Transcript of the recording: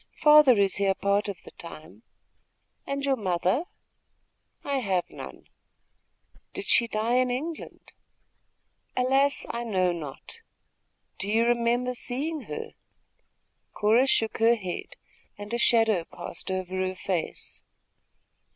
"Father is here part of the time." "And your mother?" "I have none." "Did she die in England?" "Alas, I know not." "Do you remember seeing her?" Cora shook her head, and a shadow passed over her face.